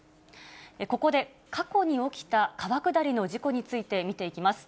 ここで過去に起きた川下りの事故について見ていきます。